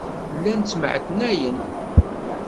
Llan ttemɛetnayen.